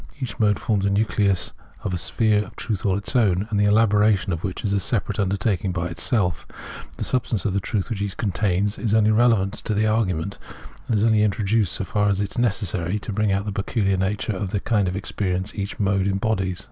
Each mode forms a nucleus of a sphere of truth all its own, the elaboration of which is a separate undertaking by itself. The substance of the truth which each contains is only relevant to the argument, and is only introduced, \ Translator's Introduction xxix so far as is necessary to bring out the peculiar nature of the kind of experience each mode embodies.